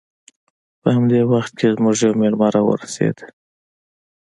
په همدې وخت کې زموږ یو میلمه راورسید